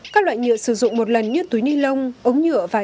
các loại nhựa sử dụng một lần như túi ni lông ống nhựa và chai lọc